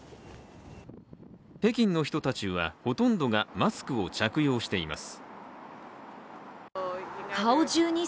北京の人たちはほとんどがマスクを着用しています。